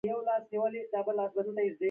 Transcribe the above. درناوی د ګډ ژوند اساس دی.